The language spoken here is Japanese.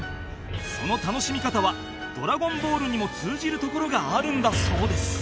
その楽しみ方は『ドラゴンボール』にも通じるところがあるんだそうです